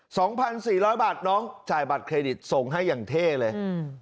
สองพันสี่ร้อยบาทน้องจ่ายบัตรเครดิตส่งให้อย่างเท่เลยอืม